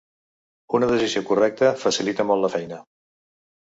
Una decisió correcta facilita molt la feina